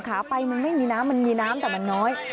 ขาไปมันไม่มีน้ำมันมีน้ำแต่มันน้อย